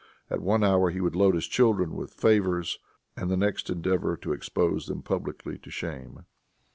At one hour he would load his children with favors, and the next endeavor to expose them publicly to shame.